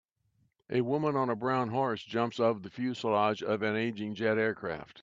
A woman on a brown horse jumps of the fuselage of an aging jet aircraft.